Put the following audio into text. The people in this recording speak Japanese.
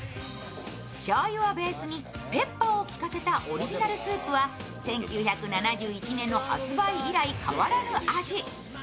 しょうゆをベースにペッパーを効かせたオリジナルスープは１９７１年の発売以来、変わらぬ味